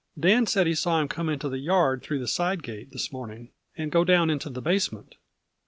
" Dan said he saw him come into the yard, through the side gate, this morning, and go down into the basement.